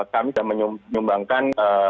kami sudah menyumbangkan